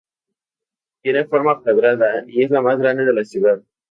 Tiene forma cuadrada y es la más grande de la ciudad.